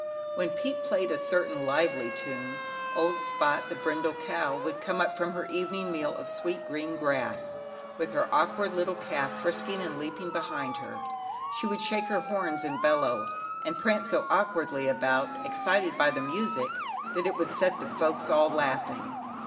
When Pete played a certain lively tune, old Spot, the brindle cow, would come up from her evening meal of sweet, green grass, with her awkward little calf frisking and leaping behind her. She would shake her horns and bellow, and prance so awkwardly about, excited by the music, that it would set the folks all laughing.